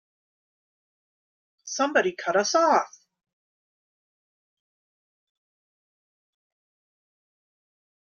Somebody cut us off!